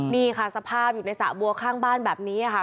นี่ค่ะสภาพอยู่ในสระบัวข้างบ้านแบบนี้ค่ะ